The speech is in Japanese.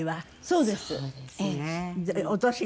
そうです。